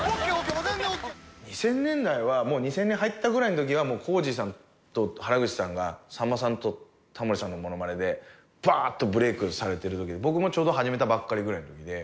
２０００年代は、もう２０００年入ったぐらいのときは、コージーさんと原口さんがさんまさんとタモリさんのものまねで、ばーっとブレークされているときで、僕もちょうど始めたばっかりぐらいで。